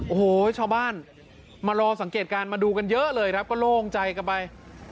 โอ้โหชาวบ้านมารอสังเกตการณ์มาดูกันเยอะเลยครับก็โล่งใจกันไป